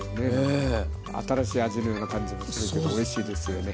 新しい味のような感じもするけどおいしいですよね。